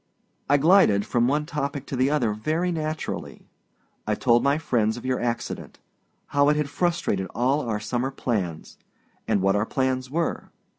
I glided from one topic to the other very naturally. I told my friends of your accident; how it had frustrated all our summer plans, and what our plans were.